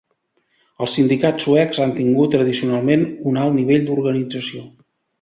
Els sindicats suecs han tingut tradicionalment un alt nivell d'organització.